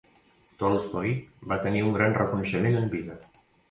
Tolstoi va tenir un gran reconeixement en vida.